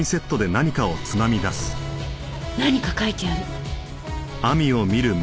何か書いてある。